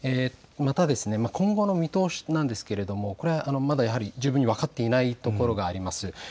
また今後の見通しなんですけれどもやはり十分に分かっていないところがあります。